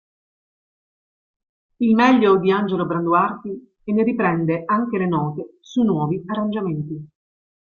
Il meglio di Angelo Branduardi", e ne riprende anche le note sui nuovi arrangiamenti.